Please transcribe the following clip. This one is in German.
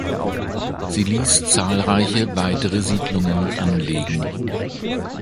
Sie ließ zahlreiche weitere Siedlungen anlegen.